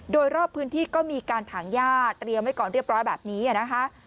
โดยรอบพื้นที่ก็มีการถังญาติเตรียมไว้ก่อนเรียบร้อยแบบนี้นะคะ